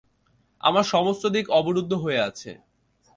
আমার সমস্ত দিক অবরুদ্ধ হয়ে আছে।